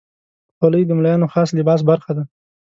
خولۍ د ملایانو خاص لباس برخه ده.